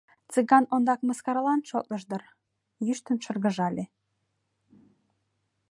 Цыган ондак мыскаралан шотлыш дыр: йӱштын шыргыжале.